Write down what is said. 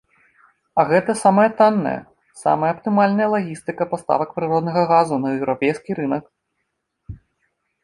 А гэта самая танная, самая аптымальная лагістыка паставак прыроднага газу на еўрапейскі рынак.